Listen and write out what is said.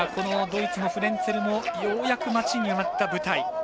ドイツのフレンツェルもようやく待ちに待った舞台。